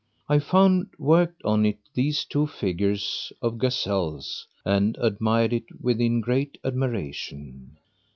I found worked on it these two figures of gazelles and admired it with great admiration.